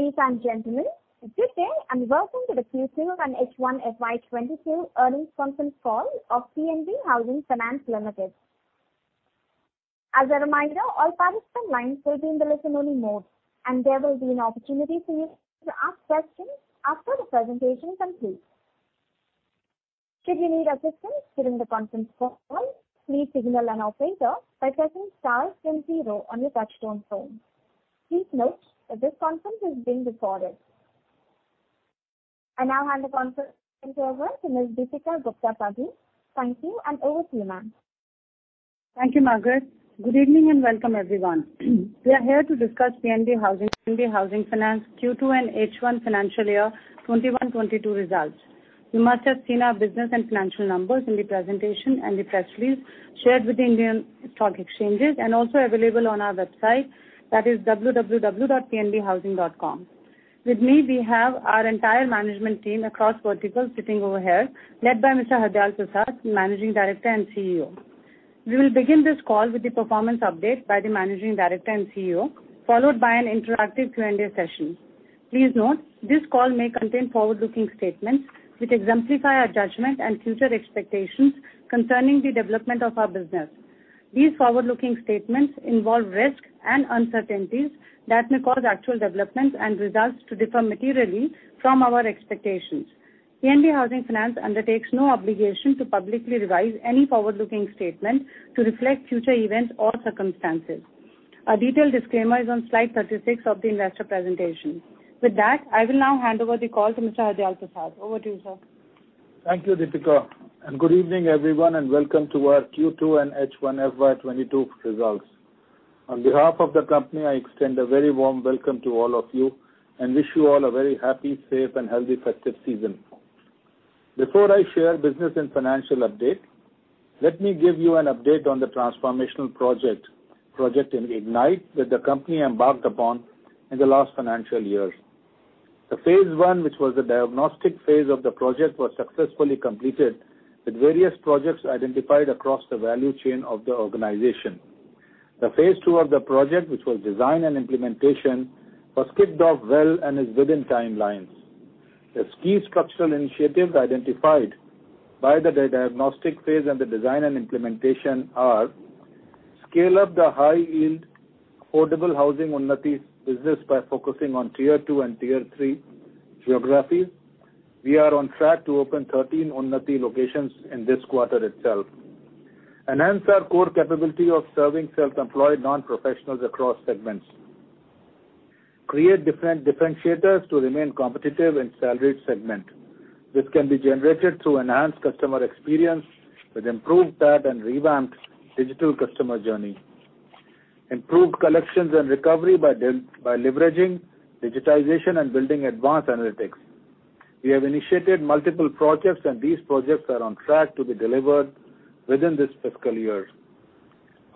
Ladies and gentlemen, good day, and welcome to the Q2 and H1 FY 2022 earnings conference call of PNB Housing Finance Limited. As a reminder, all participants' lines will be in the listen-only mode, and there will be an opportunity for you to ask questions after the presentation is complete. Should you need assistance during the conference call, please signal an operator by pressing star then zero on your touchtone phone. Please note that this conference is being recorded. I now hand the conference over to Ms. Deepika Gupta Padhi. Thank you, and over to you, ma'am. Thank you, Margaret. Good evening, and welcome, everyone. We are here to discuss PNB Housing Finance Q2 and H1 financial year 2021-2022 results. You must have seen our business and financial numbers in the presentation and the press release shared with the Indian Stock Exchanges and also available on our website, that is www.pnbhousing.com. With me, we have our entire management team across verticals sitting over here, led by Mr. Hardayal Prasad, Managing Director and CEO. We will begin this call with the performance update by the Managing Director and CEO, followed by an interactive Q&A session. Please note, this call may contain forward-looking statements which exemplify our judgment and future expectations concerning the development of our business. These forward-looking statements involve risks and uncertainties that may cause actual developments and results to differ materially from our expectations. PNB Housing Finance undertakes no obligation to publicly revise any forward-looking statement to reflect future events or circumstances. A detailed disclaimer is on slide 36 of the investor presentation. With that, I will now hand over the call to Mr. Hardayal Prasad. Over to you, sir. Thank you, Deepika. Good evening, everyone, and welcome to our Q2 and H1 FY 2022 results. On behalf of the company, I extend a very warm welcome to all of you and wish you all a very happy, safe and healthy festive season. Before I share business and financial update, let me give you an update on the transformational project, Project IGNITE, that the company embarked upon in the last financial year. The phase one, which was the diagnostic phase of the project, was successfully completed, with various projects identified across the value chain of the organization. The phase two of the project, which was design and implementation, was kicked off well and is within timelines. The key structural initiatives identified by the diagnostic phase and the design and implementation are scale up the high yield affordable housing Unnati's business by focusing on Tier II and Tier III geographies. We are on track to open 13 Unnati locations in this quarter itself. Enhance our core capability of serving self-employed non-professionals across segments. Create different differentiators to remain competitive in salaried segment. This can be generated through enhanced customer experience with improved TAT and revamped digital customer journey. Improved collections and recovery by leveraging digitization and building advanced analytics. We have initiated multiple projects, and these projects are on track to be delivered within this fiscal year.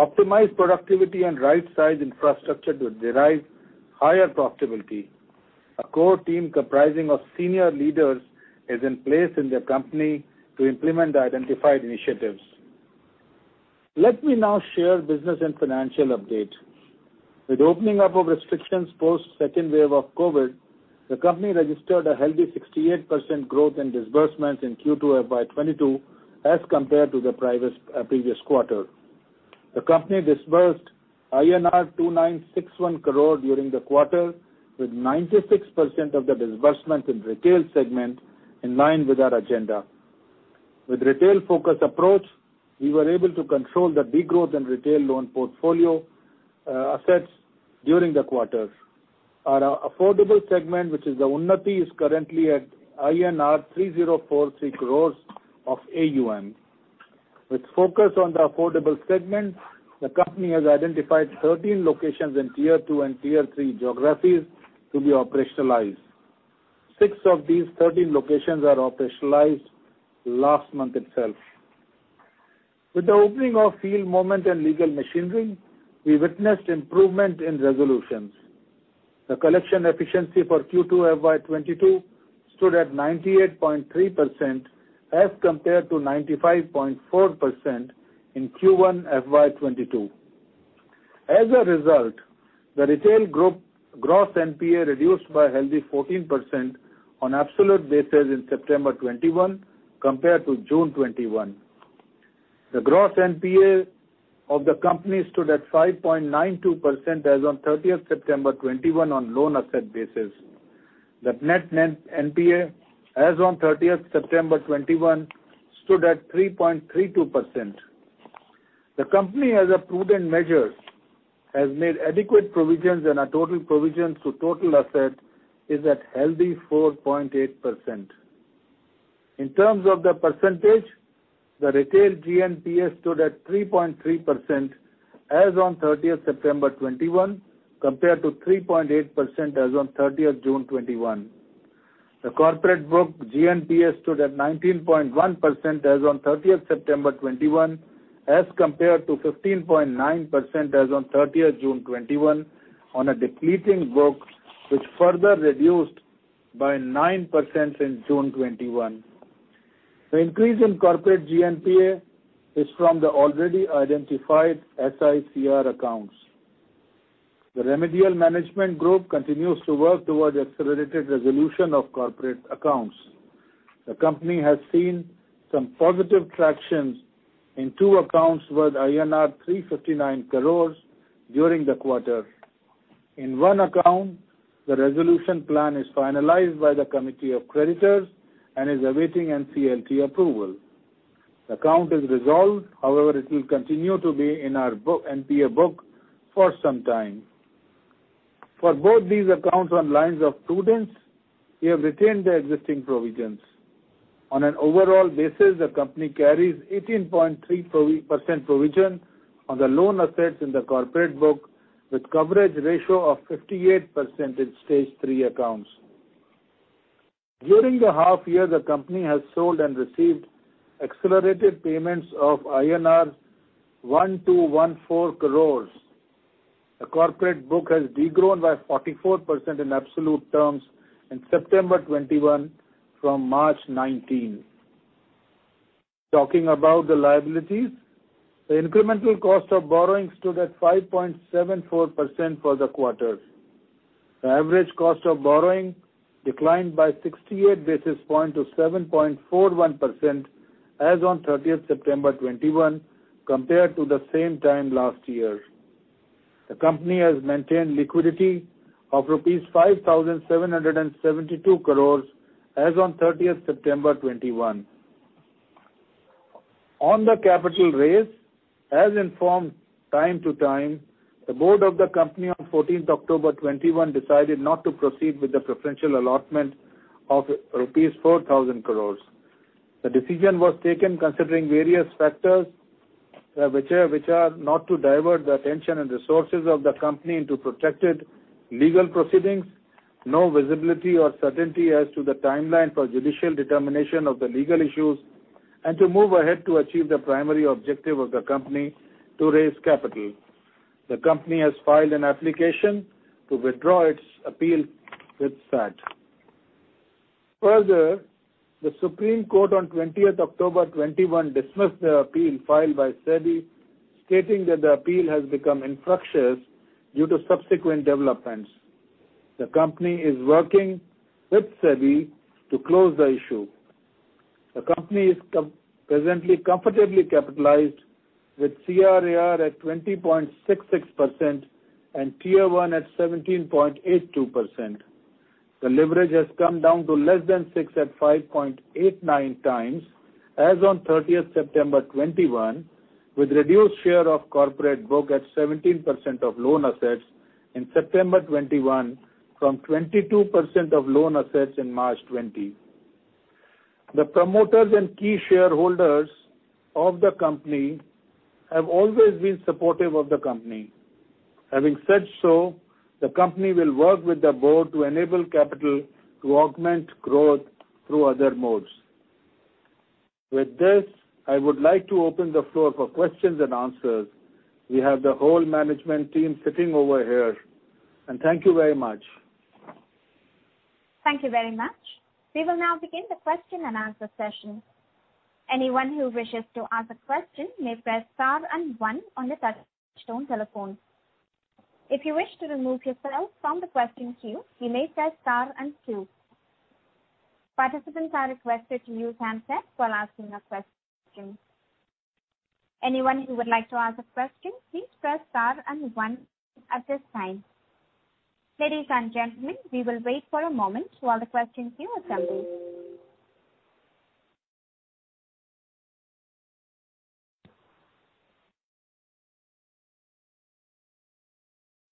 Optimize productivity and right-size infrastructure to derive higher profitability. A core team comprising of senior leaders is in place in the company to implement the identified initiatives. Let me now share business and financial update. With opening up of restrictions post second wave of COVID, the company registered a healthy 68% growth in disbursements in Q2 FY 2022 as compared to the previous quarter. The company disbursed INR 2,961 crore during the quarter, with 96% of the disbursement in retail segment, in line with our agenda. With retail-focused approach, we were able to control the de-growth in retail loan portfolio, assets during the quarter. Our affordable segment, which is the Unnati, is currently at INR 3,043 crore of AUM. With focus on the affordable segment, the company has identified 13 locations in Tier II and Tier III geographies to be operationalized. Six of these 13 locations are operationalized last month itself. With the opening of field movement and legal machinery, we witnessed improvement in resolutions. The collection efficiency for Q2 FY 2022 stood at 98.3% as compared to 95.4% in Q1 FY 2022. As a result, the retail group gross NPA reduced by a healthy 14% on absolute basis in September 2021 compared to June 2021. The gross NPA of the company stood at 5.92% as on September 30th, 2021 on loan asset basis. The net NPA, as on September 30th, 2021, stood at 3.32%. The company, as a prudent measure, has made adequate provisions, and our total provisions to total asset is at healthy 4.8%. In terms of the percentage, the retail GNPA stood at 3.3% as on September 30th, 2021, compared to 3.8% as on June 30th, 2021. The corporate book GNPA stood at 19.1% as on September 30th, 2021, as compared to 15.9% as on June 30th, 2021 on a depleting book, which further reduced by 9% since June 2021. The increase in corporate GNPA is from the already identified SICR accounts. The remedial management group continues to work towards accelerated resolution of corporate accounts. The company has seen some positive tractions in two accounts worth INR 359 crore during the quarter. In one account, the resolution plan is finalized by the committee of creditors and is awaiting NCLT approval. The account is resolved. However, it will continue to be in our book, NPA book for some time. For both these accounts on lines of prudence, we have retained the existing provisions. On an overall basis, the company carries 18.3% provision on the loan assets in the corporate book, with coverage ratio of 58% in Stage 3 accounts. During the half year, the company has sold and received accelerated payments of INR 1,214 crore. The corporate book has de-grown by 44% in absolute terms in September 2021 from March 2019. Talking about the liabilities, the incremental cost of borrowing stood at 5.74% for the quarter. The average cost of borrowing declined by 68 basis points to 7.41% as on September 30th, 2021 compared to the same time last year. The company has maintained liquidity of rupees 5,772 crore as on September 30th, 2021. On the capital raise, as informed time to time, the Board of the company on October 14th, 2021 decided not to proceed with the preferential allotment of rupees 4,000 crore. The decision was taken considering various factors, which are not to divert the attention and resources of the company into protracted legal proceedings, no visibility or certainty as to the timeline for judicial determination of the legal issues and to move ahead to achieve the primary objective of the company to raise capital. The company has filed an application to withdraw its appeal with SAT. Further, the Supreme Court on October 20th, 2021 dismissed the appeal filed by SEBI, stating that the appeal has become infructuous due to subsequent developments. The company is working with SEBI to close the issue. The company is presently comfortably capitalized with CRAR at 20.66% and Tier I at 17.82%. The leverage has come down to less than six at 5.89x as on September 30th, 2021, with reduced share of corporate book at 17% of loan assets in September 2021 from 22% of loan assets in March 2020. The promoters and key shareholders of the company have always been supportive of the company. Having said so, the company will work with the Board to enable capital to augment growth through other modes. With this, I would like to open the floor for questions and answers. We have the whole management team sitting over here, and thank you very much. Thank you very much. We will now begin the question-and-answer session. Anyone who wishes to ask a question may press star and one on your touchtone telephone. If you wish to remove yourself from the question queue, you may press star and two. Participants are requested to use handsets while asking a question. Anyone who would like to ask a question, please press star and one at this time. Ladies and gentlemen, we will wait for a moment while the question queue assembles.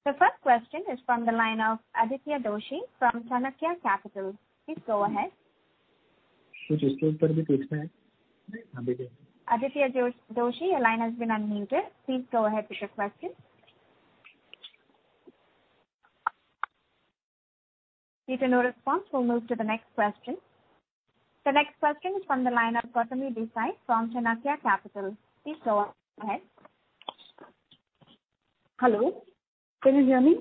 The first question is from the line of Aditya Doshi from Chanakya Capital. Please go ahead. Aditya Doshi, your line has been unmuted. Please go ahead with your question. Due to no response, we'll move to the next question. The next question is from the line of Gautami Desai from Chanakya Capital. Please go ahead. Hello, can you hear me?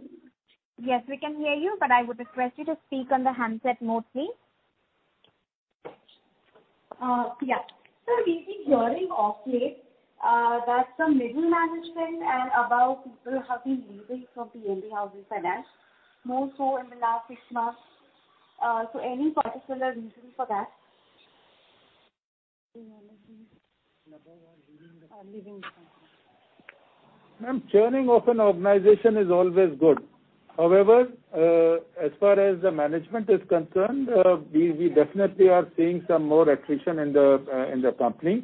Yes, we can hear you, but I would request you to speak on the handset mode, please. Yeah. Sir, we've been hearing of late that some middle management and above people have been leaving from the PNB Housing Finance, more so in the last six months. Any particular reason for that? Ma'am, churning of an organization is always good. However, as far as the management is concerned, we definitely are seeing some more attrition in the company.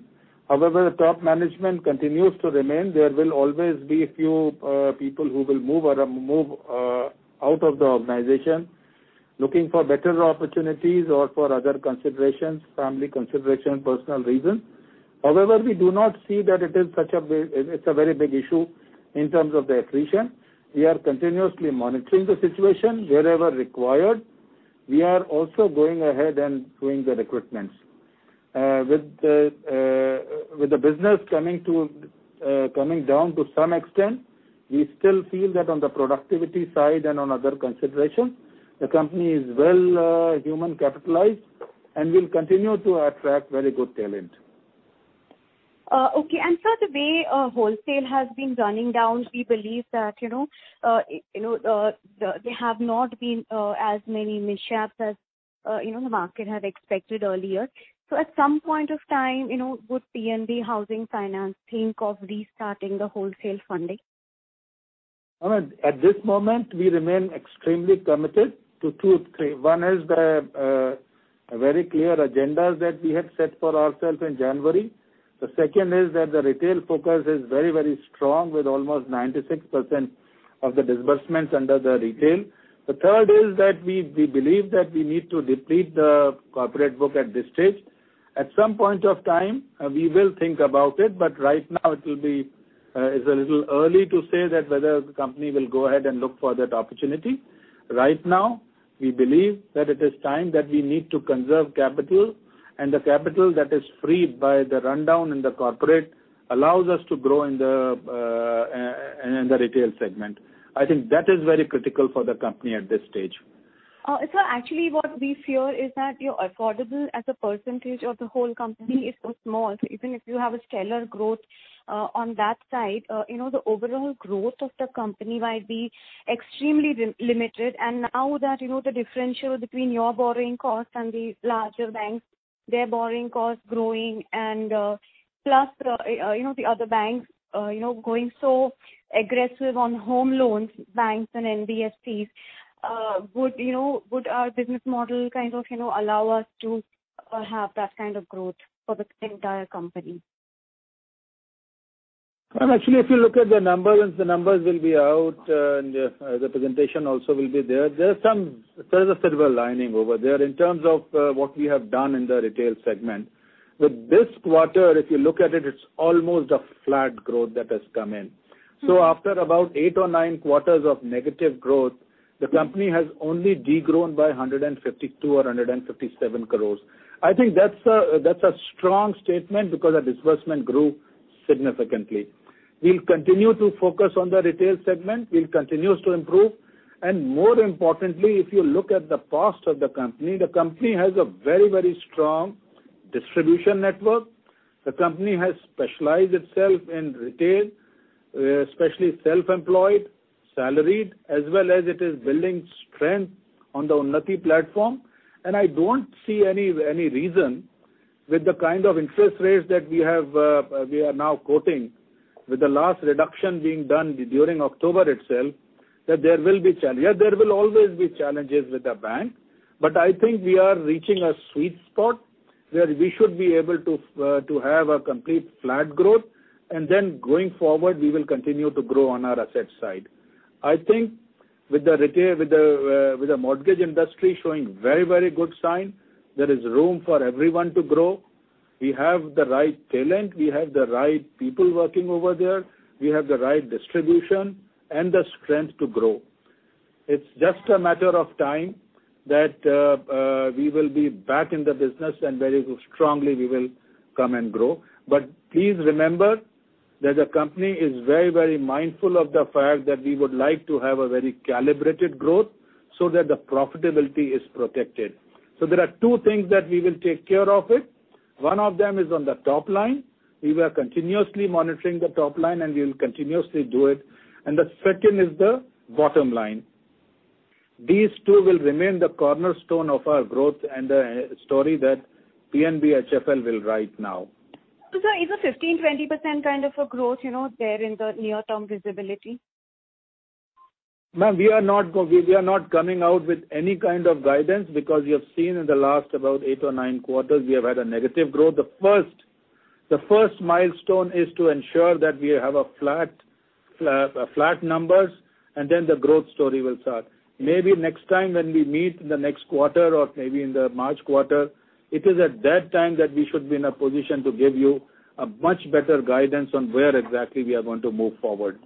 However, the top management continues to remain. There will always be a few people who will move out of the organization looking for better opportunities or for other considerations, family consideration, personal reasons. However, we do not see that it is such a big issue in terms of the attrition. We are continuously monitoring the situation wherever required. We are also going ahead and doing the recruitments. With the business coming down to some extent, we still feel that on the productivity side and on other considerations, the company is well human capitalized and will continue to attract very good talent. Okay. Sir, the way wholesale has been running down, we believe that, you know, you know, they have not been as many mishaps as, you know, the market had expected earlier. At some point of time, you know, would PNB Housing Finance think of restarting the wholesale funding? At this moment, we remain extremely committed to two or three. One is the very clear agendas that we have set for ourselves in January. The second is that the retail focus is very, very strong with almost 96% of the disbursements under the retail. The third is that we believe that we need to deplete the corporate book at this stage. At some point of time, we will think about it, but right now it is a little early to say that whether the company will go ahead and look for that opportunity. Right now, we believe that it is time that we need to conserve capital, and the capital that is freed by the rundown in the corporate allows us to grow in the retail segment. I think that is very critical for the company at this stage. Actually what we fear is that your affordable as a percentage of the whole company is so small. Even if you have a stellar growth on that side, you know, the overall growth of the company might be extremely limited. Now that, you know, the differential between your borrowing costs and the larger banks' borrowing costs growing and, plus, you know, the other banks going so aggressive on home loans, banks and NBFCs would our business model kind of, you know, allow us to have that kind of growth for the entire company? Actually, if you look at the numbers, the numbers will be out, and the presentation also will be there. There's a silver lining over there in terms of what we have done in the retail segment. With this quarter, if you look at it's almost a flat growth that has come in. After about eight or nine quarters of negative growth, the company has only de-grown by 152 crore or 157 crore. I think that's a strong statement because our disbursement grew significantly. We'll continue to focus on the retail segment. We'll continue to improve. More importantly, if you look at the past of the company, the company has a very, very strong distribution network. The company has specialized itself in retail, especially self-employed, salaried, as well as it is building strength on the Unnati platform. I don't see any reason with the kind of interest rates that we have, we are now quoting with the last reduction being done during October itself, that there will be challenge. Yeah, there will always be challenges with the bank, but I think we are reaching a sweet spot where we should be able to to have a complete flat growth and then going forward, we will continue to grow on our asset side. I think with the retail, with the mortgage industry showing very good sign, there is room for everyone to grow. We have the right talent, we have the right people working over there, we have the right distribution and the strength to grow. It's just a matter of time that we will be back in the business and very strongly we will come and grow. Please remember that the company is very, very mindful of the fact that we would like to have a very calibrated growth so that the profitability is protected. There are two things that we will take care of it. One of them is on the top line. We were continuously monitoring the top line, and we will continuously do it. The second is the bottom line. These two will remain the cornerstone of our growth and story that PNB HFL will write now. Is a 15%-20% kind of a growth, you know, there in the near-term visibility? Ma'am, we are not coming out with any kind of guidance because you have seen in the last about eight or nine quarters we have had a negative growth. The first milestone is to ensure that we have flat numbers and then the growth story will start. Maybe next time when we meet in the next quarter or maybe in the March quarter, it is at that time that we should be in a position to give you a much better guidance on where exactly we are going to move forward.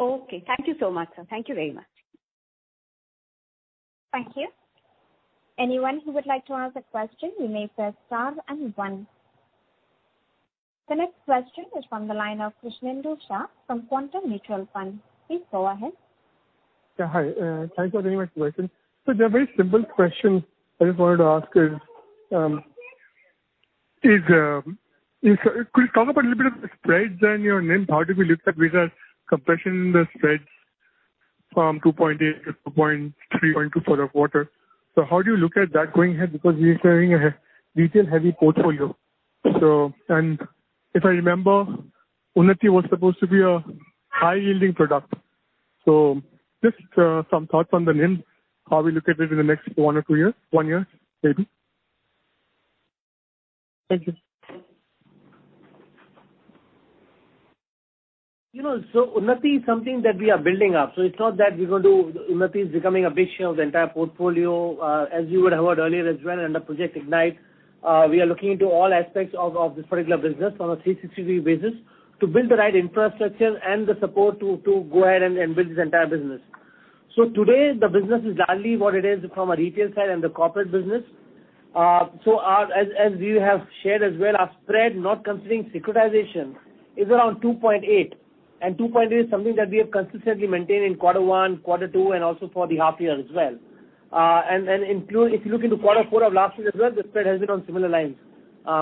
Okay. Thank you so much, sir. Thank you very much. Thank you. Anyone who would like to ask a question, you may press star and one. The next question is from the line of Krishnendu Saha from Quantum Mutual Fund. Please go ahead. Yeah, hi. Thanks for taking my question. The very simple question I just wanted to ask is could you talk about a little bit of the spreads and your NIM, how we look at with a compression in the spreads from 2.8% to 2.32% for the quarter? How do you look at that going ahead? Because we are carrying a retail-heavy portfolio. If I remember, Unnati was supposed to be a high-yielding product. Just some thoughts on the NIM, how we look at it in the next one or two years, one year maybe. Thank you. You know, Unnati is something that we are building up. It's not that Unnati is becoming a big share of the entire portfolio. As you would have heard earlier as well, under Project IGNITE, we are looking into all aspects of this particular business on a 360 basis points to build the right infrastructure and the support to go ahead and build this entire business. Today, the business is largely what it is from a retail side and the corporate business. As you have shared as well, our spread, not considering securitization, is around 2.8%, and 2.8% is something that we have consistently maintained in quarter one, quarter two, and also for the half year as well. If you look into quarter four of last year as well, the spread has been on similar lines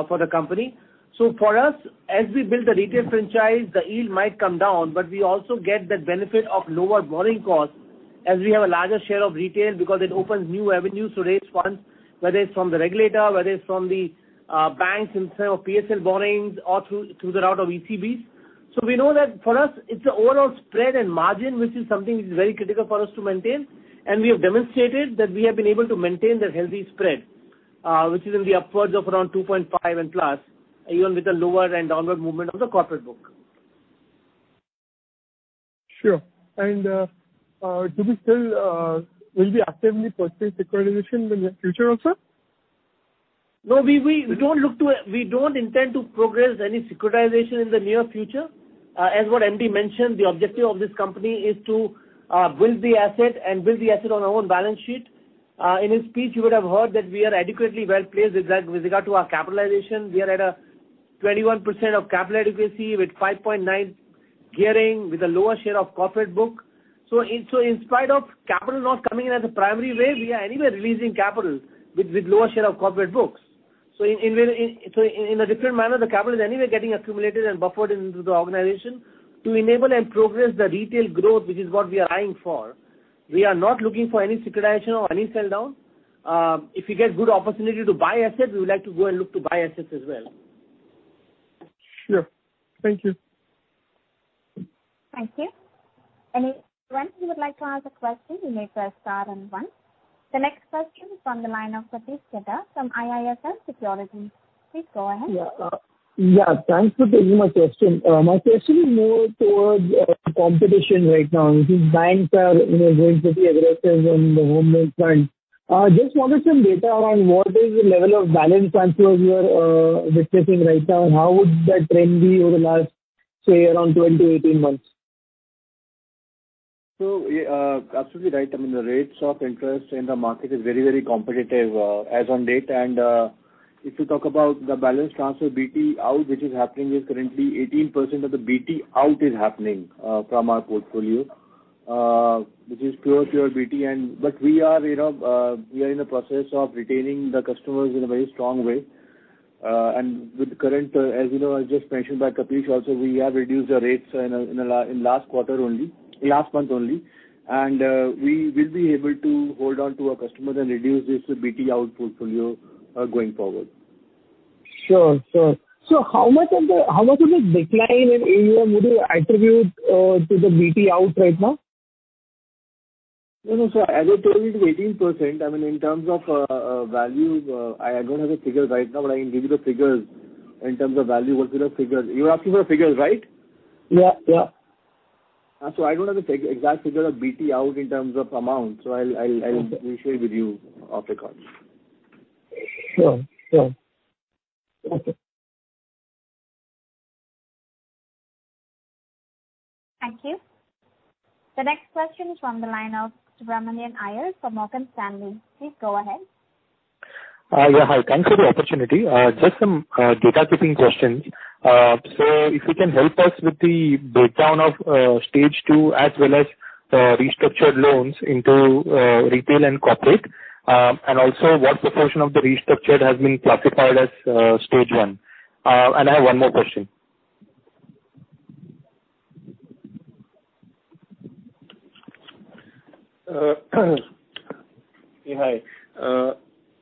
for the company. For us, as we build the retail franchise, the yield might come down, but we also get that benefit of lower borrowing costs as we have a larger share of retail because it opens new avenues to raise funds, whether it's from the regulator, whether it's from the banks in terms of PSL borrowings or through the route of ECBs. We know that for us, it's the overall spread and margin which is something which is very critical for us to maintain, and we have demonstrated that we have been able to maintain that healthy spread, which is upwards of around 2.5%+, even with the lower and downward movement of the corporate book. Sure. Will we still be actively pursuing securitization in the near future also? No, we don't intend to progress any securitization in the near future. As what MD mentioned, the objective of this company is to build the asset on our own balance sheet. In his speech, you would have heard that we are adequately well-placed with regard to our capitalization. We are at a 21% of capital adequacy with 5.9x gearing with a lower share of corporate book. In spite of capital not coming in as a primary way, we are anyway releasing capital with lower share of corporate books. In a different manner, the capital is anyway getting accumulated and buffered into the organization to enable and progress the retail growth, which is what we are eyeing for. We are not looking for any securitization or any sell-down. If we get good opportunity to buy assets, we would like to go and look to buy assets as well. Sure. Thank you. Thank you. Any friends who would like to ask a question, you may press star and one. The next question is from the line of Sanket Chheda from IIFL Securities. Please go ahead. Thanks for taking my question. My question is more towards competition right now, which is banks are, you know, going pretty aggressive on the home loan front. Just wanted some data around what is the level of balance transfer you are witnessing right now and how would that trend be over the last, say around 12-18 months? Absolutely right. I mean, the rates of interest in the market is very, very competitive, as on date. If you talk about the balance transfer BT out, which is happening, is currently 18% of the BT out is happening from our portfolio, which is pure BT. But we are, you know, we are in the process of retaining the customers in a very strong way. With the current, as you know, as just mentioned by Kapish also, we have reduced our rates in last quarter only, last month only, and we will be able to hold on to our customers and reduce this BT out portfolio going forward. Sure. How much of the decline in AUM would you attribute to the BT out right now? No, no. As I told you, it is 18%. I mean, in terms of value, I don't have the figures right now, but I can give you the figures in terms of value, what's in the figures. You are asking for figures, right? Yeah. Yeah. I don't have the exact figure of BT out in terms of amount, so I'll Okay. We will share with you off the call. Sure. Okay. Thank you. The next question is from the line of Subramanian Iyer from Morgan Stanley. Please go ahead. Yeah. Hi. Thanks for the opportunity. Just some data keeping questions. If you can help us with the breakdown of Stage 2 as well as restructured loans into retail and corporate. Also what proportion of the restructured has been classified as Stage 1. I have one more question.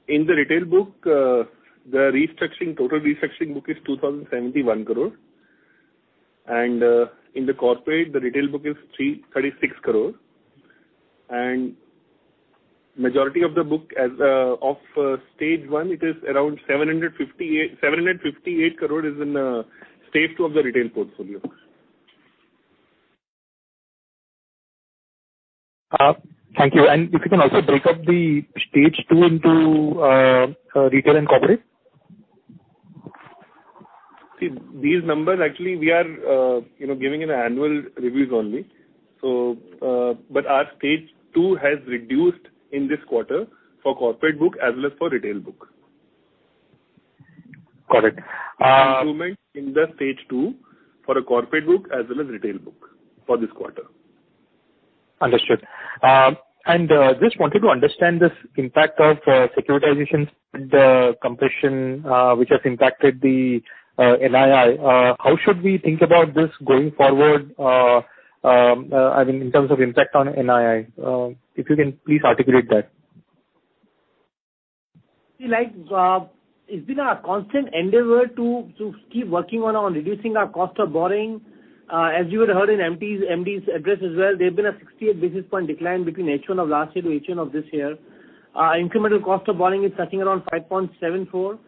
In the retail book, total restructuring book is 2,071 crore. In the corporate, restructuring book is 336 crore. Majority of the book is Stage 1. It is around 758 crore in Stage 2 of the retail portfolio. Thank you. If you can also break up the Stage 2 into retail and corporate. See, these numbers actually we are, you know, giving in annual reviews only. But our Stage 2 has reduced in this quarter for corporate book as well as for retail book. Got it. Improvement in the Stage 2 for a corporate book as well as retail book for this quarter. Understood. Just wanted to understand this impact of securitizations and compression, which has impacted the NII. How should we think about this going forward, I mean in terms of impact on NII? If you can please articulate that. See, like, it's been our constant endeavor to keep working on reducing our cost of borrowing. As you would have heard in MD's address as well, there have been a 68 basis point decline between H1 of last year to H1 of this year. Incremental cost of borrowing is touching around 5.74%.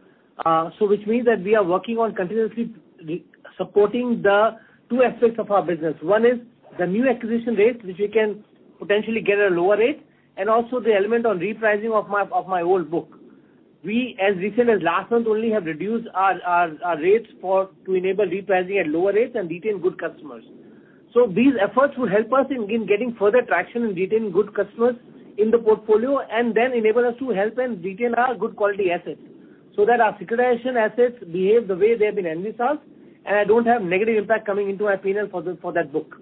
So which means that we are working on continuously re-supporting the two aspects of our business. One is the new acquisition rates, which we can potentially get at a lower rate, and also the element on repricing of my old book. We as recent as last month only have reduced our rates to enable repricing at lower rates and retain good customers. These efforts will help us in getting further traction in retaining good customers in the portfolio and then enable us to help and retain our good quality assets so that our securitization assets behave the way they have been envisaged, and I don't have negative impact coming into our P&L for that book.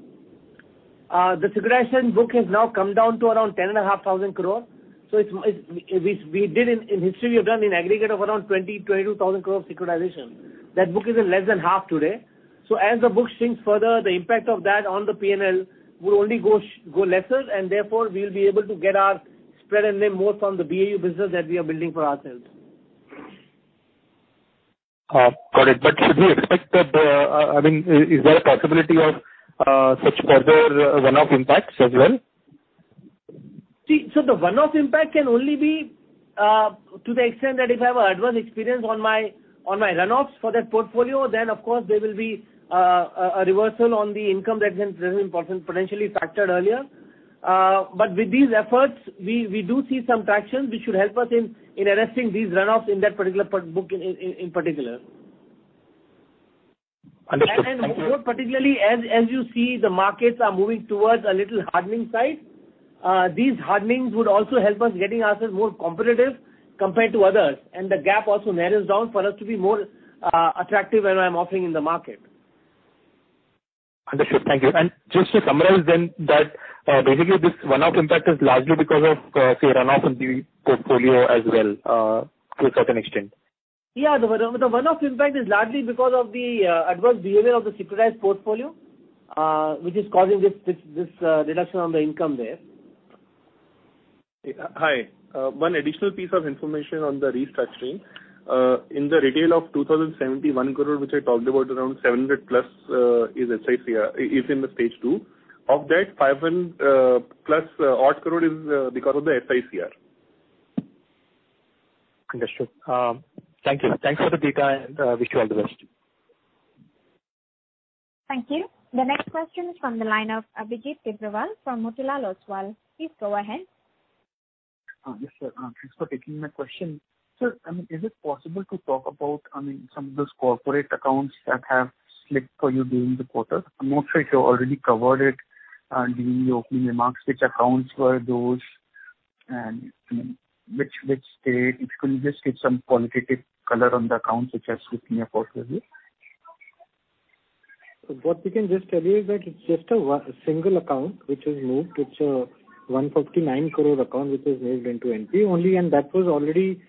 The securitization book has now come down to around 10,500 crore. It's. We did in history. We've done in aggregate of around 22,000 crore of securitization. That book is in less than 1/2 today. As the book shrinks further, the impact of that on the P&L will only go lesser, and therefore we'll be able to get our spread and NIM more from the BAU business that we are building for ourselves. Got it. Should we expect that, I mean, is there a possibility of such further one-off impacts as well? See, the one-off impact can only be to the extent that if I have adverse experience on my runoffs for that portfolio, then of course there will be a reversal on the income that has been potentially factored earlier. With these efforts, we do see some traction which should help us in arresting these runoffs in that particular portfolio in particular. Understood. Thank you. More particularly, as you see, the markets are moving towards a little hardening side, these hardenings would also help us getting ourselves more competitive compared to others, and the gap also narrows down for us to be more, attractive when I'm offering in the market. Understood. Thank you. Just to summarize then that, basically this one-off impact is largely because of, say, runoff in the portfolio as well, to a certain extent. Yeah. The one-off impact is largely because of the adverse behavior of the securitized portfolio, which is causing this reduction in the income there. Hi. One additional piece of information on the restructuring. In the retail of 2,071 crore, which I talked about, around 700+ is SICR in stage 2. Of that, 500+ odd crore is because of the SICR. Understood. Thank you. Thanks for the data, and wish you all the best. Thank you. The next question is from the line of Abhijit Tibrewal from Motilal Oswal. Please go ahead. Yes, sir. Thanks for taking my question. Sir, I mean, is it possible to talk about, I mean, some of those corporate accounts that have slipped for you during the quarter? I'm not sure if you already covered it during your opening remarks, which accounts were those and, I mean, which state. If you could just give some qualitative color on the accounts which have slipped, make up also here. What we can just tell you is that it's just a single account which has moved. It's a 159 crore account which has moved into NPA only, and that was already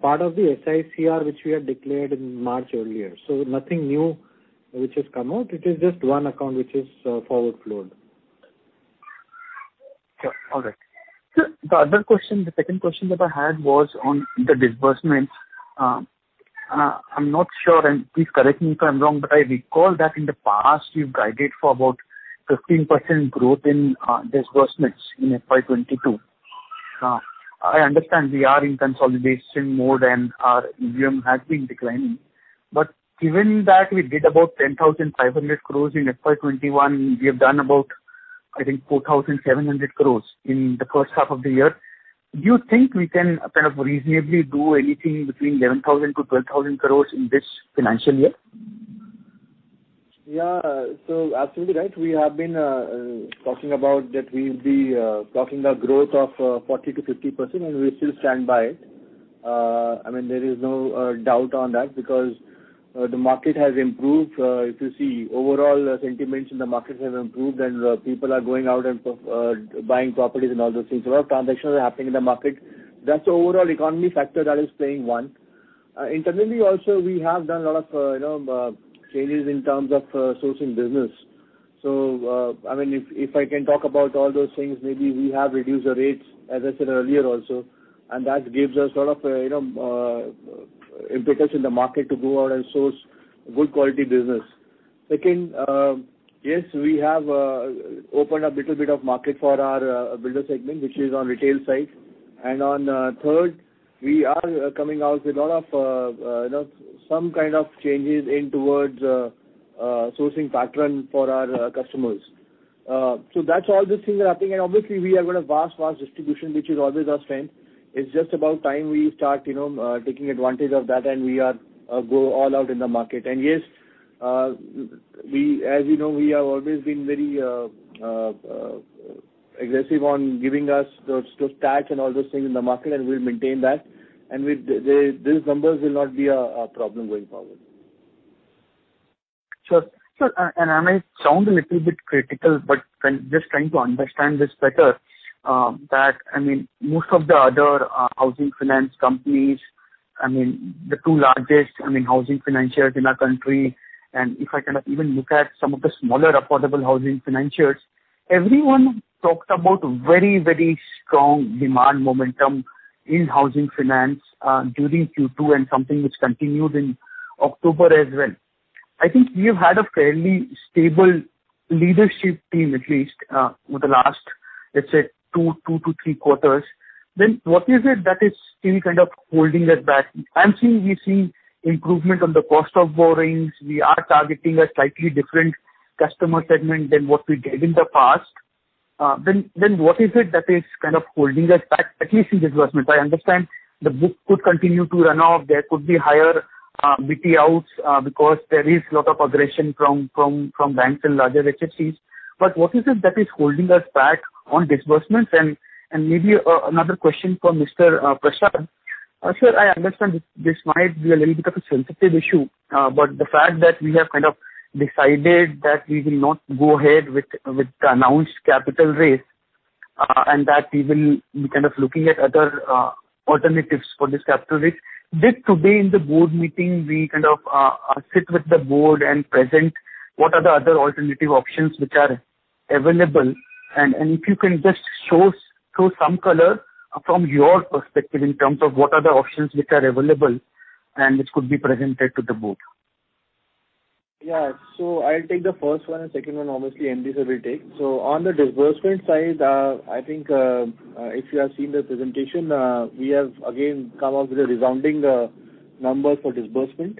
part of the SICR, which we had declared in March earlier. Nothing new which has come out. It is just one account which is forward flowed. Sure. All right. Sir, the other question, the second question that I had was on the disbursements. I'm not sure, and please correct me if I'm wrong, but I recall that in the past you've guided for about 15% growth in disbursements in FY 2022. I understand we are in consolidation mode and our AUM has been declining. Given that we did about 10,500 crore in FY 2021, we have done about, I think, 4,700 crore in the first half of the year. Do you think we can reasonably do anything between 11,000 crore-12,000 crore in this financial year? Yeah. Absolutely right. We have been talking about that we'll be talking a growth of 40%-50%, and we still stand by it. I mean, there is no doubt on that because the market has improved. If you see overall sentiments in the market have improved and people are going out and buying properties and all those things. A lot of transactions are happening in the market. That's the overall economy factor that is playing one. Internally also, we have done a lot of you know changes in terms of sourcing business. I mean, if I can talk about all those things, maybe we have reduced the rates, as I said earlier also, and that gives us a lot of you know impetus in the market to go out and source good quality business. Second, yes, we have opened a little bit of market for our builder segment, which is on retail side. On third, we are coming out with a lot of you know some kind of changes in towards sourcing pattern for our customers. That's all the things that are happening. Obviously we have got a vast distribution, which is always our strength. It's just about time we start you know taking advantage of that, and we are go all out in the market. Yes, we As you know, we have always been very aggressive on giving us those stats and all those things in the market, and we'll maintain that. These numbers will not be a problem going forward. Sure. Sir, and I might sound a little bit critical, but just trying to understand this better, that, I mean, most of the other housing finance companies, I mean, the two largest, I mean, housing financiers in our country, and if I kind of even look at some of the smaller affordable housing financiers, everyone talked about very, very strong demand momentum in housing finance during Q2 and something which continued in October as well. I think we have had a fairly stable leadership team, at least, over the last, let's say two to three quarters. What is it that is still kind of holding us back? I'm seeing we've seen improvement on the cost of borrowings. We are targeting a slightly different customer segment than what we did in the past. What is it that is kind of holding us back, at least in disbursement? I understand the book could continue to run off. There could be higher BT outs because there is a lot of aggression from banks and larger HFCs. What is it that is holding us back on disbursements? Maybe another question for Mr. Prasad. Sir, I understand this might be a little bit of a sensitive issue, but the fact that we have kind of decided that we will not go ahead with the announced capital raise, and that we will be kind of looking at other alternatives for this capital raise. Today in the Board Meeting, we kind of sit with the Board and present what are the other alternative options which are available? If you can just show some color from your perspective in terms of what are the options which are available and which could be presented to the Board. Yeah. I'll take the first one, and second one, obviously, MD sir will take. On the disbursement side, I think, if you have seen the presentation, we have again come up with a resounding number for disbursement.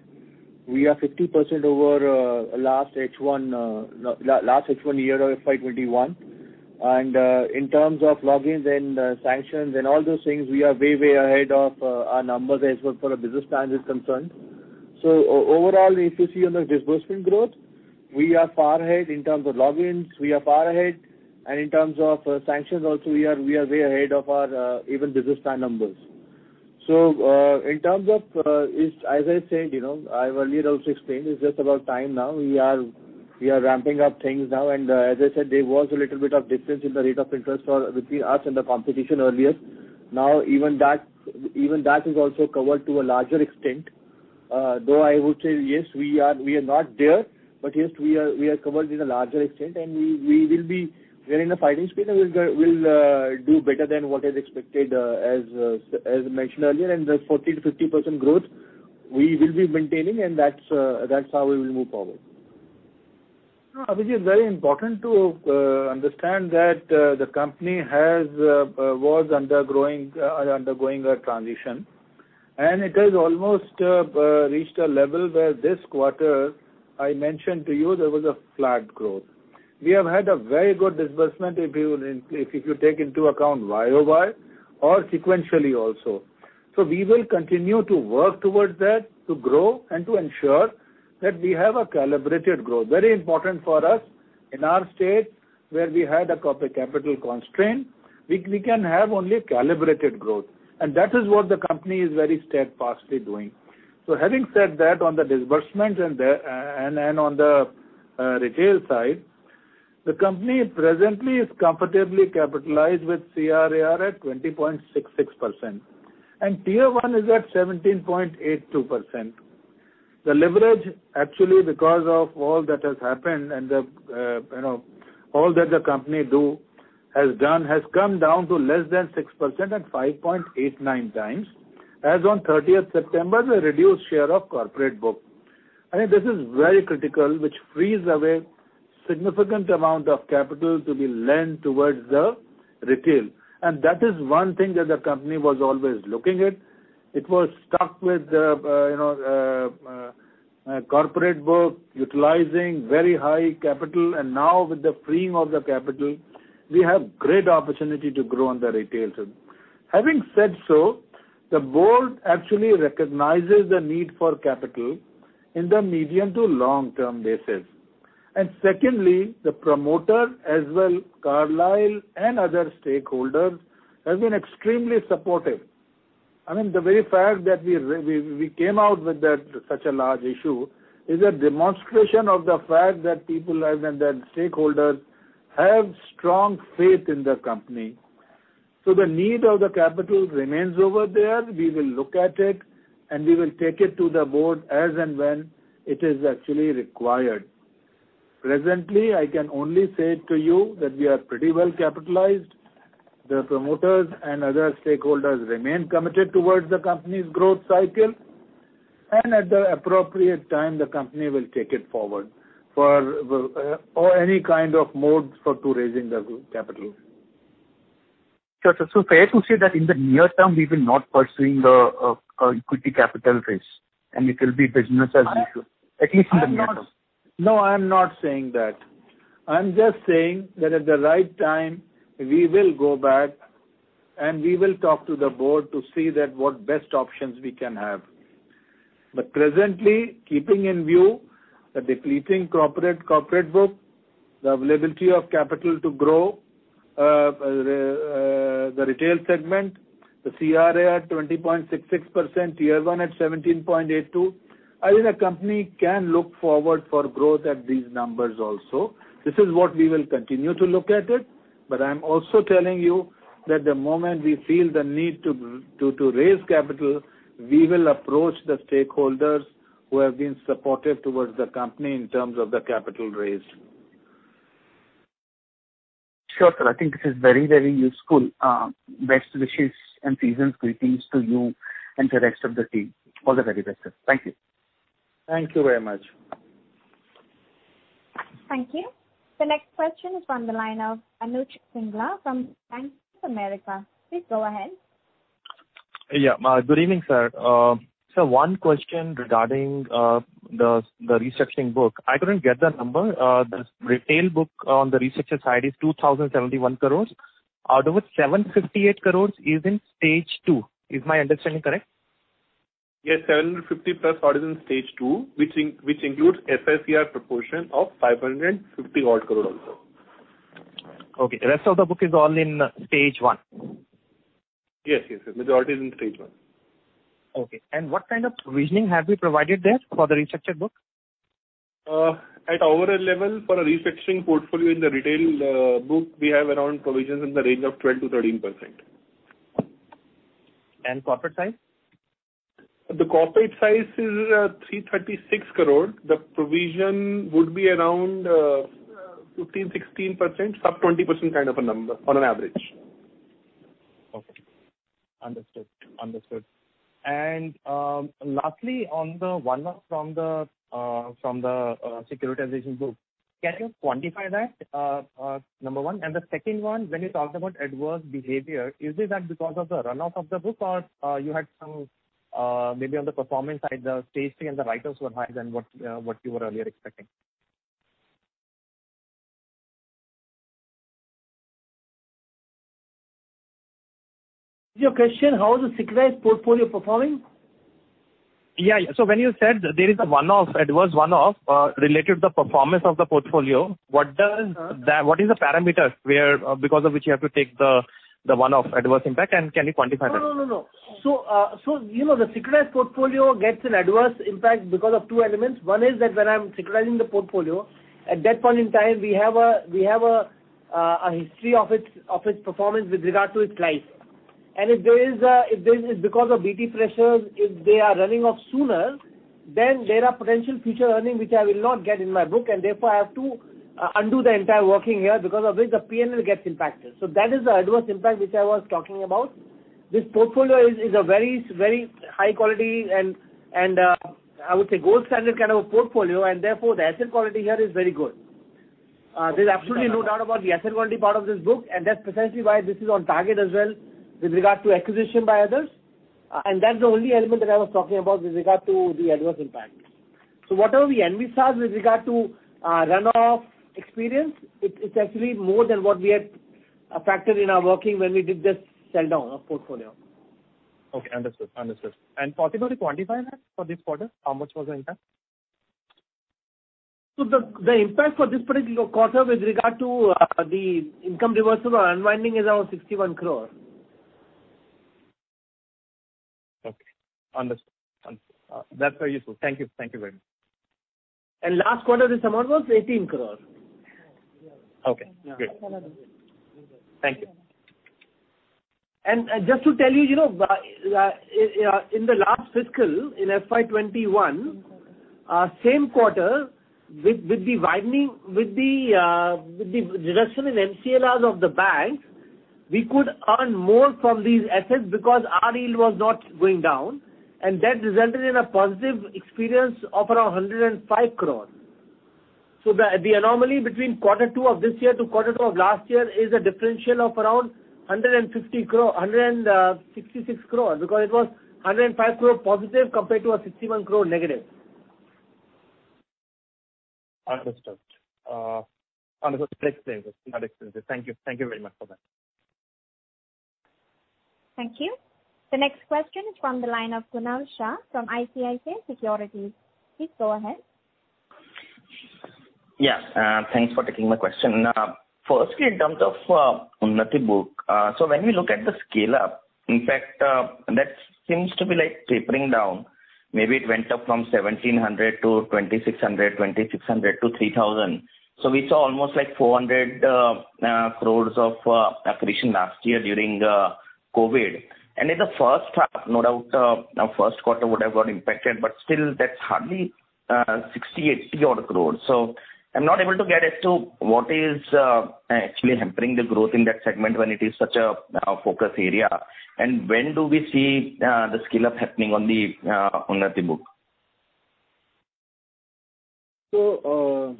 We are 50% over last H1 year of FY 2021. In terms of logins and sanctions and all those things, we are way ahead of our numbers as far as business plan is concerned. Overall, if you see on the disbursement growth, we are far ahead in terms of logins. We are far ahead. In terms of sanctions also, we are way ahead of our even business plan numbers. In terms of, as I said, you know, I've earlier also explained, it's just about time now. We are ramping up things now. As I said, there was a little bit of difference in the rate of interest as between us and the competition earlier. Now, even that is also covered to a larger extent. Though I would say, yes, we are not there, but yes, we are covered in a larger extent. We're in the fighting spirit, and we'll do better than what is expected, as mentioned earlier. The 40%-50% growth, we will be maintaining, and that's how we will move forward. No, I think it's very important to understand that the company has been undergoing a transition. It has almost reached a level where this quarter, I mentioned to you there was a flat growth. We have had a very good disbursement if you take into account year-over-year or sequentially also. We will continue to work towards that, to grow and to ensure that we have a calibrated growth. Very important for us in our state where we had a capital constraint. We can have only a calibrated growth, and that is what the company is very steadfastly doing. Having said that, on the disbursement and the retail side, the company presently is comfortably capitalized with CRAR at 20.66%. Tier I is at 17.82%. The leverage actually because of all that has happened and all that the company has done has come down to less than 6% at 5.89x. As on September 30th, the reduced share of corporate book, I mean, this is very critical, which frees away significant amount of capital to be lent towards the retail. That is one thing that the company was always looking at. It was stuck with corporate book, utilizing very high capital. Now with the freeing of the capital, we have great opportunity to grow on the retail side. Having said so, the Board actually recognizes the need for capital in the medium- to long-term basis. Secondly, the promoter as well Carlyle and other stakeholders have been extremely supportive. I mean, the very fact that we came out with that such a large issue is a demonstration of the fact that people and the stakeholders have strong faith in the company. The need of the capital remains over there. We will look at it, and we will take it to the Board as and when it is actually required. Presently, I can only say to you that we are pretty well capitalized. The promoters and other stakeholders remain committed towards the company's growth cycle. At the appropriate time, the company will take it forward for or any kind of modes for to raising the capital. Sure, sir. Fair to say that in the near term, we will not be pursuing the equity capital raise, and it will be business as usual. I am- At least in the near term. No, I'm not saying that. I'm just saying that at the right time we will go back, and we will talk to the Board to see what best options we can have. Presently, keeping in view the depleting corporate book, the availability of capital to grow the retail segment, the CRAR at 20.66%, Tier I at 17.82%, I think the company can look forward for growth at these numbers also. This is what we will continue to look at it, but I'm also telling you that the moment we feel the need to raise capital, we will approach the stakeholders who have been supportive towards the company in terms of the capital raise. Sure, sir. I think this is very, very useful. Best wishes and season's greetings to you and the rest of the team. All the very best, sir. Thank you. Thank you very much. Thank you. The next question is from the line of Anuj Singla from Bank of America. Please go ahead. Good evening, sir. One question regarding the restructuring book. I couldn't get the number. The retail book on the restructure side is 2,071 crore. Out of it, 758 crore is in Stage 2. Is my understanding correct? Yes, 750 crore+ part is in Stage 2, which includes SICR proportion of 550 odd crore also. Okay. The rest of the book is all in Stage 1. Yes. Majority is in Stage 1. Okay. What kind of provisioning have you provided there for the restructured book? At overall level for a restructuring portfolio in the retail book, we have around provisions in the range of 12%-13%. Corporate side? The corporate size is 336 crore. The provision would be around 15%-16%, sub-20% kind of a number on an average. Okay. Understood. Lastly, on the one off from the securitization book, can you quantify that? Number one. The second one, when you talked about adverse behavior, is it that because of the run off of the book or you had some maybe on the performance side, the staging and the write-offs were higher than what you were earlier expecting? Is your question how is the securitized portfolio performing? Yeah, yeah. When you said there is a one-off, adverse one-off, related to the performance of the portfolio, what does? Uh- That, what is the parameters where, because of which you have to take the one-off adverse impact, and can you quantify that? No. You know, the securitized portfolio gets an adverse impact because of two elements. One is that when I'm securitizing the portfolio, at that point in time, we have a history of its performance with regard to its life. If there is, because of BT pressures, if they are running off sooner, then there are potential future earnings which I will not get in my book, and therefore, I have to undo the entire working here. Because of this, the P&L gets impacted. That is the adverse impact which I was talking about. This portfolio is a very high quality and I would say gold standard kind of a portfolio, and therefore the asset quality here is very good. There's absolutely no doubt about the asset quality part of this book, and that's precisely why this is on target as well with regard to acquisition by others. That's the only element that I was talking about with regard to the adverse impact. Whatever we envisaged with regard to run off experience, it's actually more than what we had factored in our working when we did this sell-down of portfolio. Okay, understood. Possible to quantify that for this quarter? How much was the impact? The impact for this particular quarter with regard to the income reversal or unwinding is around 61 crore. Okay. Understood. That's very useful. Thank you. Thank you very much. Last quarter this amount was 18 crore. Okay. Good. Thank you. Just to tell you know, in the last fiscal, in FY 2021, same quarter with the reduction in MCLRs of the bank, we could earn more from these assets because our yield was not going down, and that resulted in a positive experience of around 105 crore. The anomaly between quarter two of this year to quarter two of last year is a differential of around 166 crore because it was +105 crore compared to a -61 crore. Understood. Well explained. Thank you. Thank you very much for that. Thank you. The next question is from the line of Kunal Shah from ICICI Securities. Please go ahead. Yes. Thanks for taking my question. Firstly, in terms of Unnati book, when we look at the scale-up, in fact, that seems to be like tapering down. Maybe it went up from 1,700 crore to 2,600 crore, 2,600 crore to 3,000 crore. We saw almost like 400 crore of accretion last year during COVID. In the first half, no doubt, our first quarter would have got impacted, but still that's hardly 60 crore-80 crore. I'm not able to get as to what is actually hampering the growth in that segment when it is such a focus area. When do we see the scale-up happening on the Unnati book? On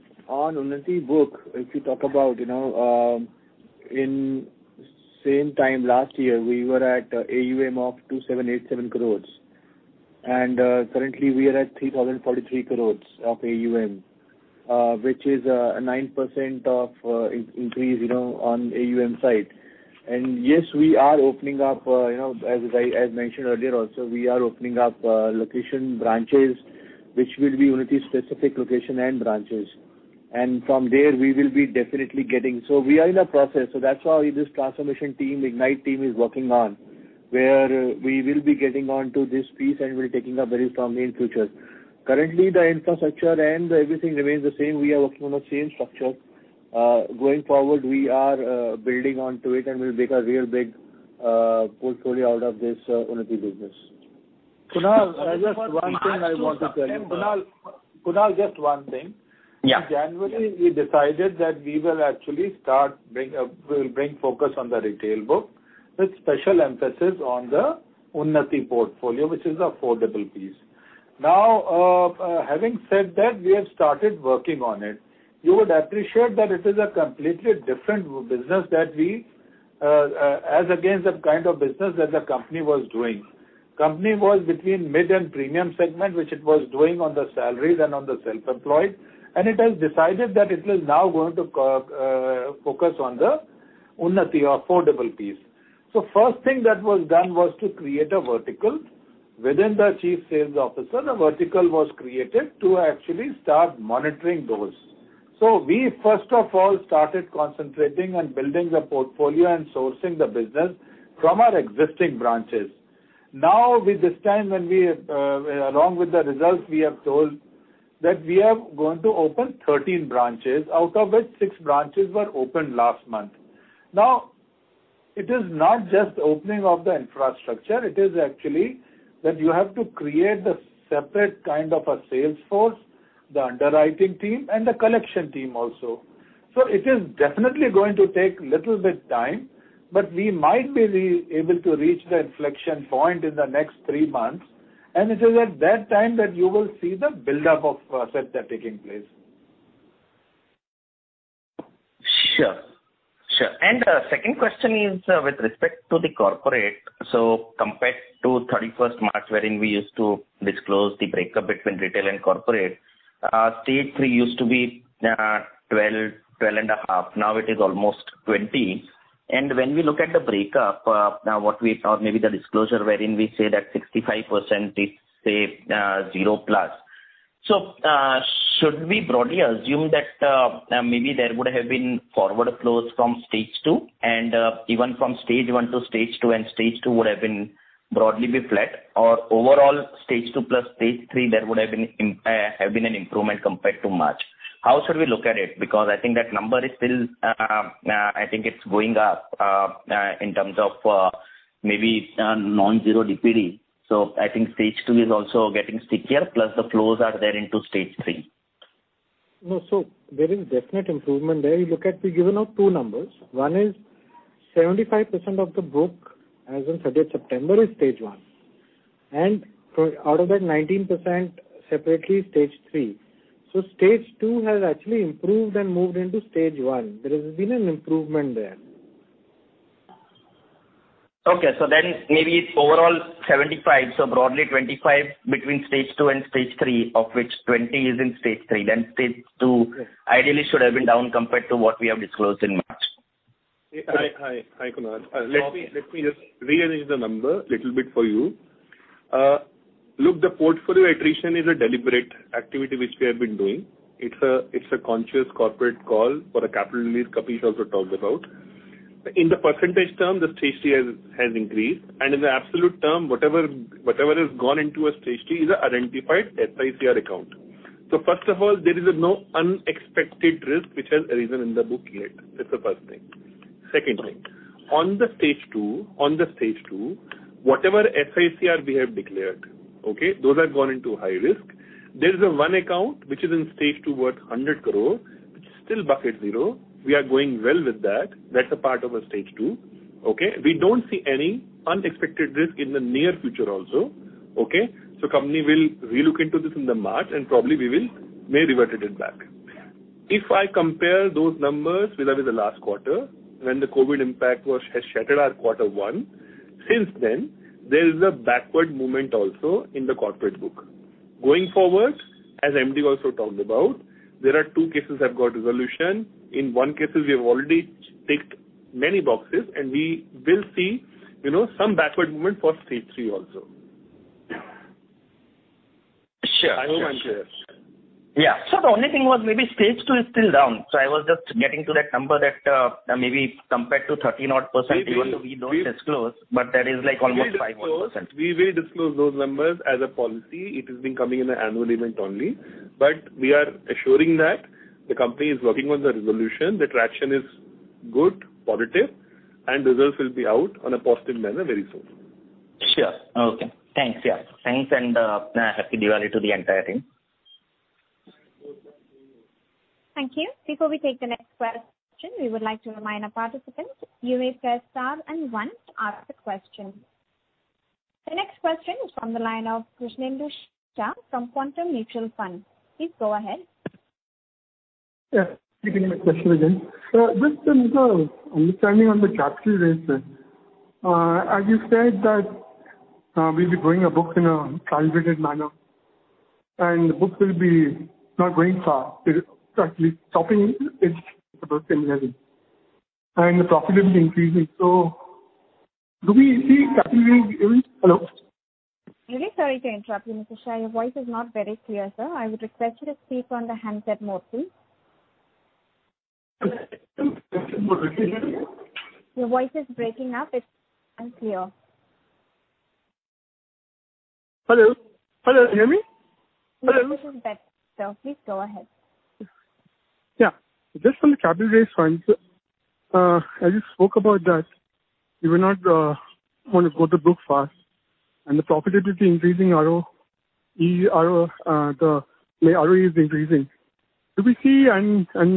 Unnati book, if you talk about, you know, in same time last year, we were at AUM of 2,787 crore. Currently we are at 3,043 crore of AUM, which is 9% increase, you know, on AUM side. Yes, we are opening up, you know, as I mentioned earlier also, we are opening up location branches which will be Unnati specific location and branches. From there we will be definitely getting. We are in a process. That's why this transformation team, IGNITE team is working on, where we will be getting on to this piece and we'll be taking up very strongly in future. Currently, the infrastructure and everything remains the same. We are working on the same structure. Going forward, we are building onto it and we'll make a real big portfolio out of this Unnati business. Kunal, just one thing I want to tell you. Kunal, just one thing. Yeah. In January we decided that we'll actually bring focus on the retail book with special emphasis on the Unnati portfolio, which is the affordable piece. Now, having said that, we have started working on it. You would appreciate that it is a completely different business that we as against the kind of business that the company was doing. Company was between mid and premium segment, which it was doing on the salaried and on the self-employed, and it has decided that it is now going to focus on the Unnati or affordable piece. First thing that was done was to create a vertical within the Chief Sales Officer. The vertical was created to actually start monitoring those. We first of all started concentrating on building the portfolio and sourcing the business from our existing branches. Now with this time when we along with the results we have told that we are going to open 13 branches, out of which six branches were opened last month. Now, it is not just opening of the infrastructure, it is actually that you have to create the separate kind of a sales force, the underwriting team and the collection team also. It is definitely going to take little bit time, but we might be able to reach the inflection point in the next three months and it is at that time that you will see the buildup of assets that are taking place. The second question is with respect to the corporate. Compared to March 31st wherein we used to disclose the breakup between retail and corporate, Stage 3 used to be 12.5%, now it is almost 20%. When we look at the breakup, now what we or maybe the disclosure wherein we say that 65% is, say, 0+. Should we broadly assume that maybe there would have been forward flows from Stage 2 and even from Stage 1 to Stage 2 and Stage 2 would have been broadly flat or overall Stage 2 plus Stage 3, there would have been an improvement compared to March? How should we look at it? Because I think that number is still, I think it's going up, in terms of, maybe non-zero DPD. So I think Stage 2 is also getting stickier, plus the flows are there into Stage 3. No, there is definite improvement there. You look at, we've given out two numbers. One is 75% of the book as on September 30th is Stage 1. And out of that 19% is Stage 3. Stage 2 has actually improved and moved into Stage 1. There has been an improvement there. Okay. Maybe it's overall 75%, so broadly 25% between Stage 2 and Stage 3 of which 20% is in Stage 3. Stage 2 ideally should have been down compared to what we have disclosed in March. Hi, Kunal. Let me just rearrange the numbers a little bit for you. Look, the portfolio attrition is a deliberate activity which we have been doing. It's a conscious corporate call for a capital release Kapish also talked about. In the percentage terms, the Stage 3 has increased, and in the absolute term, whatever has gone into a Stage 3 is an identified SICR account. First of all, there is no unexpected risk which has arisen in the book yet. That's the first thing. Second thing, on the Stage 2, whatever SICR we have declared, okay? Those have gone into high risk. There is one account which is in Stage 2 worth 100 crore, which is still bucket zero. We are doing well with that. That's a part of a Stage 2. Okay? We don't see any unexpected risk in the near future also. Okay? Company will relook into this in March and probably we may revert it back. If I compare those numbers with that of the last quarter when the COVID impact has shattered our quarter one, since then, there is a backward movement also in the corporate book. Going forward, as MD also talked about, there are two cases have got resolution. In one case, we have already ticked many boxes and we will see, you know, some backward movement for Stage 3 also. Sure. I hope I'm clear. Yeah. The only thing was maybe Stage 2 is still down. I was just getting to that number that, maybe compared to 13%-odd even though we don't disclose, but that is like almost 5%-odd. We will disclose those numbers as a policy. It has been coming in the annual event only. We are assuring that the company is working on the resolution, the traction is good, positive, and results will be out on a positive manner very soon. Sure. Okay. Thanks. Yeah. Thanks. Happy Diwali to the entire team. Thank you. Before we take the next question, we would like to remind our participants you may press star and one to ask a question. The next question is from the line of Krishnendu Saha from Quantum Mutual Fund. Please go ahead. Yeah. You can hear my question again. Just a little understanding on the capital raise then. As you said that, we'll be growing a book in a calibrated manner and the book will be not growing fast. It is actually stopping its growth in a way, and the profitability increasing. Do we see capital being Hello? Really sorry to interrupt you, Mr. Saha. Your voice is not very clear, sir. I would request you to speak on the handset mode, please. Your voice is breaking up. It's unclear. Hello? Hello, can you hear me? Hello? Little bit better, sir. Please go ahead. Yeah. Just on the capital raise front, as you spoke about that you will not want to go to book fast and the profitability increasing ROE, the ROE is increasing. Do we see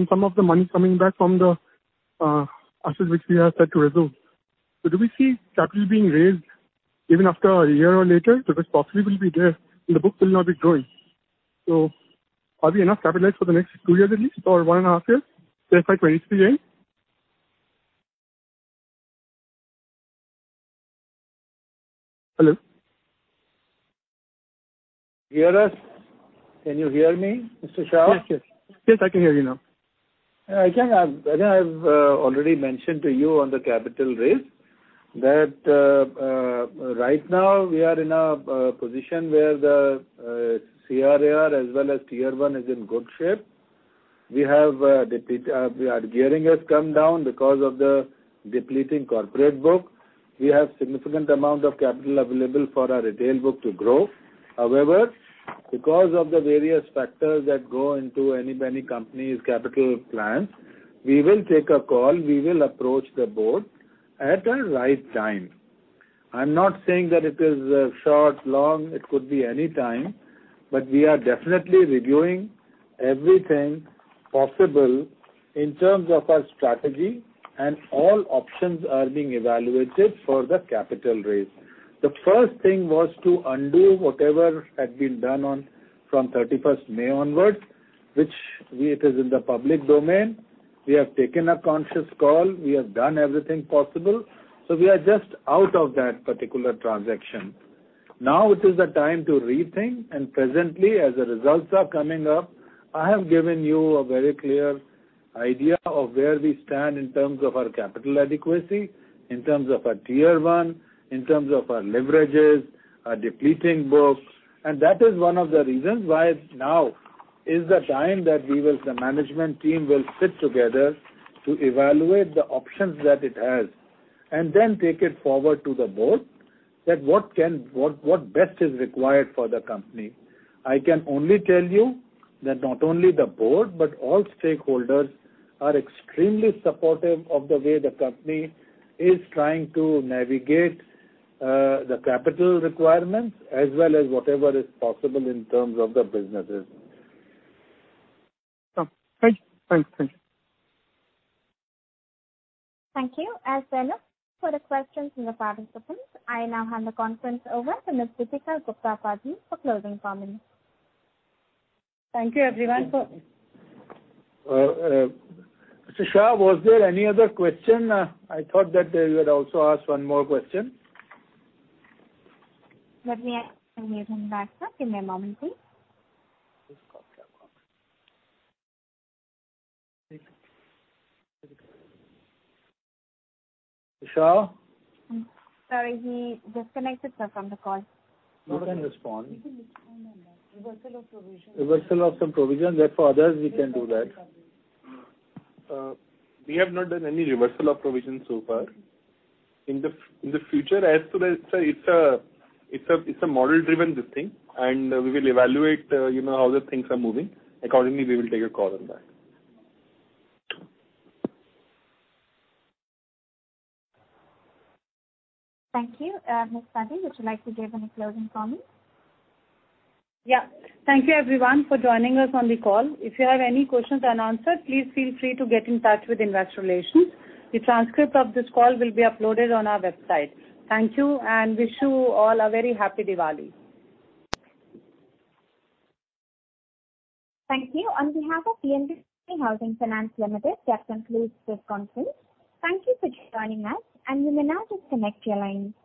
some of the money coming back from the assets which we have set to resolve? Do we see capital being raised even after a year or later? The possibility will be there and the books will not be growing. Are we enough capitalized for the next two years at least or 1.5 years, say, by 2023 end? Hello? Hear us? Can you hear me, Mr. Saha? Yes. Yes, I can hear you now. Yeah, I think I've already mentioned to you on the capital raise that right now we are in a position where the CRAR as well as Tier I is in good shape. Our gearing has come down because of the depleting corporate book. We have significant amount of capital available for our retail book to grow. However, because of the various factors that go into any company's capital plans, we will take a call, we will approach the Board at the right time. I'm not saying that it is short, long, it could be any time, but we are definitely reviewing everything possible in terms of our strategy and all options are being evaluated for the capital raise. The first thing was to undo whatever had been done from May 31st onwards, which we... It is in the public domain. We have taken a conscious call. We have done everything possible. We are just out of that particular transaction. Now it is the time to rethink, and presently, as the results are coming up, I have given you a very clear idea of where we stand in terms of our capital adequacy, in terms of our Tier I, in terms of our leverages, our depleting books. That is one of the reasons why now is the time that we will, the management team will sit together to evaluate the options that it has and then take it forward to the Board that what best is required for the company. I can only tell you that not only the Board, but all stakeholders are extremely supportive of the way the company is trying to navigate the capital requirements as well as whatever is possible in terms of the businesses. Oh, thank you. Thank you. Thank you. Thank you. As there are no further questions from the participants, I now hand the conference over to Ms. Deepika Gupta Padhi for closing comments. Thank you, everyone. Mr. Saha, was there any other question? I thought that you would also ask one more question. Let me ask him, sir. Give me a moment, please. Mr. Saha? Sorry, he disconnected, sir, from the call. You can respond. We can respond on that. Reversal of provision. Reversal of some provision, therefore others we can do that. We have not done any reversal of provision so far. In the future, as to the it's a model driven, this thing, and we will evaluate, you know, how the things are moving. Accordingly, we will take a call on that. Thank you. Ms. Padhi, would you like to give any closing comments? Yeah. Thank you everyone for joining us on the call. If you have any questions unanswered, please feel free to get in touch with investor relations. The transcript of this call will be uploaded on our website. Thank you, and wish you all a very happy Diwali. Thank you. On behalf of PNB Housing Finance Limited, that concludes this conference. Thank you for joining us, and you may now disconnect your lines.